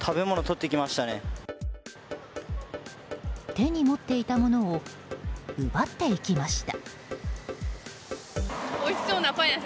手に持っていたものを奪っていきました。